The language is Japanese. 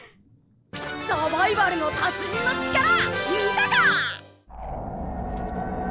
サバイバルの達人の力見たか！